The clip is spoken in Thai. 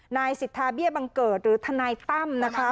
นายสิทธาเบี้ยบังเกิดหรือทนายตั้มนะคะ